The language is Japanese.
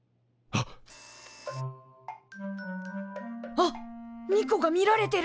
あっニコが見られてる！